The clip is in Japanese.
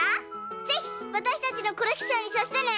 ぜひわたしたちのコレクションにさせてね！